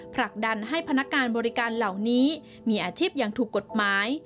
ผลักดันให้พนักงานบริการเหล่านี้มีอาชีพอย่างถูกกฎหมาย